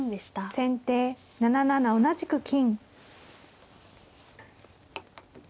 先手７七同じく金。